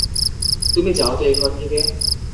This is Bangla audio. তুমি যাও তো এ-ঘর থেকে।